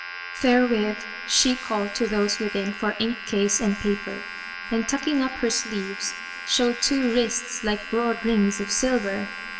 Therewith she called to those within for inkcase and paper and tucking up[FN#162] her sleeves, showed two wrists like broad rings of silver.